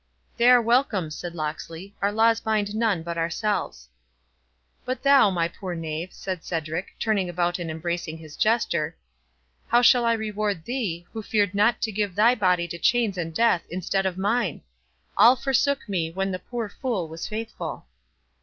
"They are welcome," said Locksley; "our laws bind none but ourselves." "But, thou, my poor knave," said Cedric, turning about and embracing his Jester, "how shall I reward thee, who feared not to give thy body to chains and death instead of mine!—All forsook me, when the poor fool was faithful!"